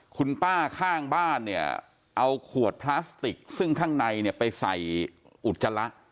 คุณป้าข้างบ้านเนี่ยเอาขวดพลาสติกซึ่งข้างในเนี่ยไปใส่อุจจาระ